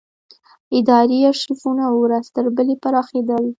اداري ارشیفونه ورځ تر بلې پراخېدل.